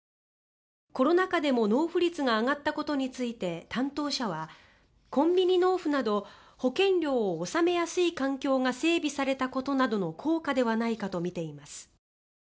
コロナ禍でも納付率が上がったことについて担当者はコンビニ納付など保険料を納めやすい環境が整備されたことなどの効果ではないかとみています。